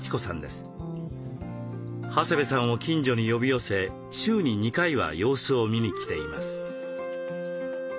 長谷部さんを近所に呼び寄せ週に２回は様子を見に来ています。